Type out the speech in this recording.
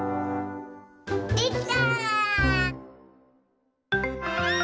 できた！